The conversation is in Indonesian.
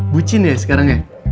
bucin ya sekarang ya